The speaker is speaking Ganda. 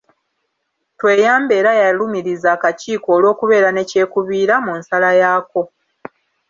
Tweyambe era yalumiriza akakiiko olw’okubeera ne kyekubiira mu nsala yaako.